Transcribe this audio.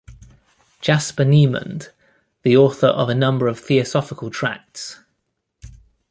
"Jasper Niemand", the author of a number of Theosophical tracts.